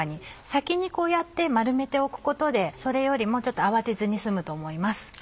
先にこうやって丸めておくことでそれよりも慌てずに済むと思います。